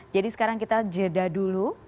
jadi sekarang kita jeda dulu